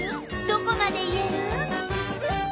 どこまで言える？